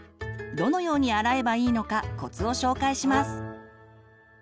どのように洗えばいいのかコツを紹介します。